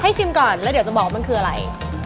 ชิมก่อนแล้วเดี๋ยวจะบอกว่ามันคืออะไร